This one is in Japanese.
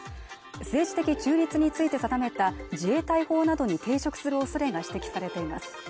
政治的中立について定めた自衛隊法などに抵触する恐れが指摘されています